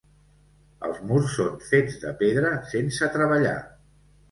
Els murs són fets de pedra sense treballar.